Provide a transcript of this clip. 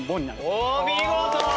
お見事！